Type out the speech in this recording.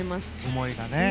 思いがね。